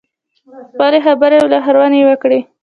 خپلې خبرې او لارښوونې یې وکړې.